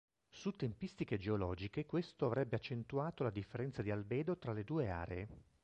Su tempistiche geologiche questo avrebbe accentuato la differenza di albedo fra le due aree.